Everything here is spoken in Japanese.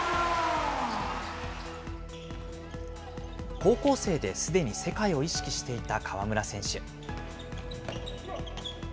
高校生ですでに世界を意識していた河村選手。